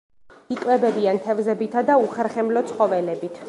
იკვებებიან თევზებითა და უხერხემლო ცხოველებით.